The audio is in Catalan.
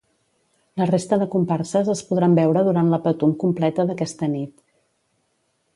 La resta de comparses es podran veure durant la Patum Completa d'aquesta nit.